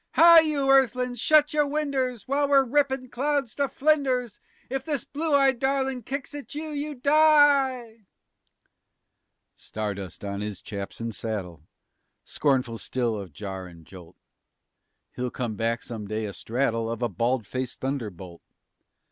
_ Hi! you earthlin's, shut your winders While we're rippin' clouds to flinders. If this blue eyed darlin' kicks at you, you die!" Stardust on his chaps and saddle, Scornful still of jar and jolt, He'll come back some day, astraddle Of a bald faced thunderbolt.